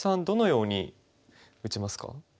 どのように打ちますか？